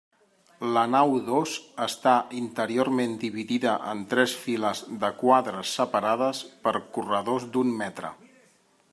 La nau dos està interiorment dividida en tres files de quadres separades per corredors d'un metre.